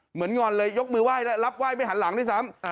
งอนเลยยกมือไห้แล้วรับไห้ไม่หันหลังด้วยซ้ำ